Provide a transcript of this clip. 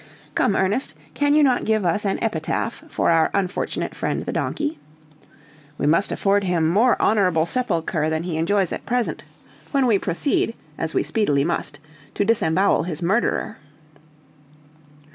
"Come, Ernest, can you not give us an epitaph for our unfortunate friend the donkey? "We must afford him more honorable sepulture than he enjoys at present, when we proceed, as we speedily must, to disembowel his murderer."